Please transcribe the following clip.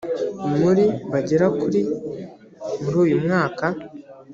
muri bagera kuri muri uyu mwaka